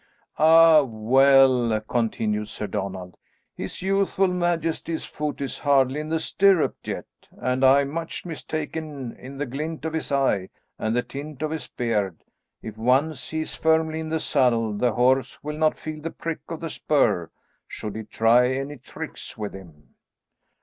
"Ah well," continued Sir Donald, "his youthful majesty's foot is hardly in the stirrup yet, and I'm much mistaken in the glint of his eye and the tint of his beard, if once he is firmly in the saddle the horse will not feel the prick of the spur, should it try any tricks with him."